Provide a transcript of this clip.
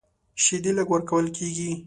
شیدې لږ ورکول کېږي.